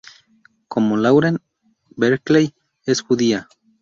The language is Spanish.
Como Lauren, Berkley es judía.